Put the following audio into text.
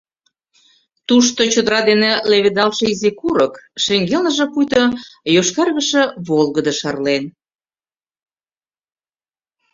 Тушто чодыра дене леведалтше изи курык, шеҥгелныже пуйто йошкаргыше волгыдо шарлен.